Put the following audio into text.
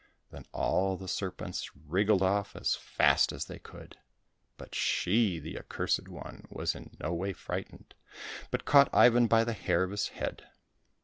Then all the serpents wriggled off as fast as they could. But she, the accursed one, was in no way frightened, but caught. Ivan by the hair of his head.